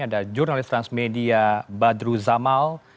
ada jurnalis transmedia badru zamal